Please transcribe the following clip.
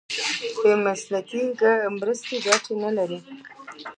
بې مسولیته مرستې ګټه نه لري.